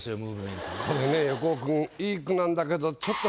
これね横尾君いい句なんだけど。